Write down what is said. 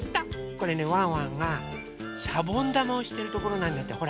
これねワンワンがしゃぼんだまをしてるところなんだってほら。